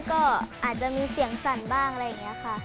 ก็อาจจะมีเสียงสั่นบ้างอะไรอย่างนี้ค่ะ